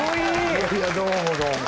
いやいやどうもどうも。